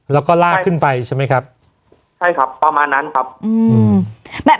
แล้วก็ลากขึ้นไปใช่ไหมครับใช่ครับประมาณนั้นครับอืม